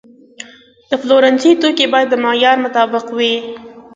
د پلورنځي توکي باید د معیار مطابق وي.